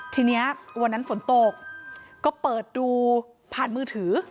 ทีนี้วันนั้นฝนตกก็เปิดดูผ่านมือถือ